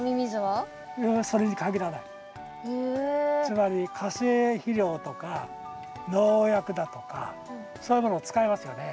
つまり化成肥料とか農薬だとかそういうものを使いますよね。